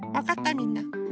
みんな。